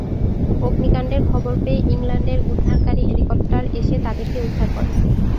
অগ্নিকাণ্ডের খবর পেয়ে ইংল্যান্ডের উদ্ধারকারী হেলিকপ্টার এসে তাদেরকে উদ্ধার করে।